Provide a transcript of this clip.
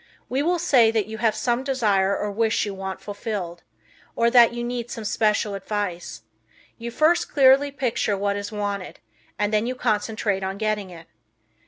We will say that you have some desire or wish you want fulfilled, or that you need some special advice. You first clearly picture what is wanted and then you concentrate on getting it.